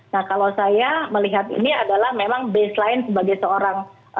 nah kalau saya melihat ini adalah memang baseline sebagai seorang